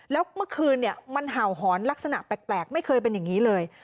แล้วเมื่อคืนมันเห่าหอนลักษณะแปลกไม่เคยเป็นอย่างนี้เลย